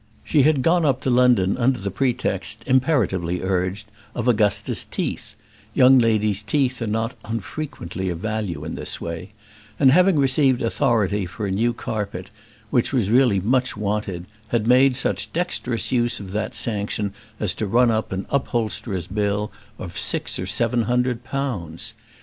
She had gone up to London under the pretext, imperatively urged, of Augusta's teeth young ladies' teeth are not unfrequently of value in this way; and having received authority for a new carpet, which was really much wanted, had made such dexterous use of that sanction as to run up an upholsterer's bill of six or seven hundred pounds.